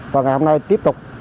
và ngày hôm nay tiếp tục